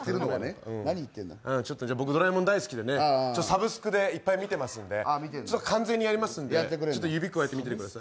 ちょっと僕ドラえもん大好きでサブスクでいっぱい見てますので完全にやりますので、指くわえて見ててください。